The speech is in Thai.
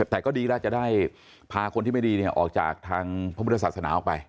แต่ก็ดีแล้วจะได้พาคนที่ไม่ดีออกจากทางพระพุทธศาสนาออกไป